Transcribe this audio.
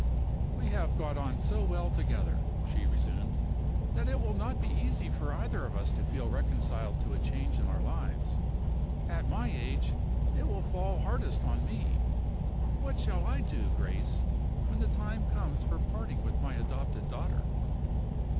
"We have got on so well together," she resumed, "that it will not be easy for either of us to feel reconciled to a change in our lives. At my age, it will fall hardest on me. What shall I do, Grace, when the day comes for parting with my adopted daughter?"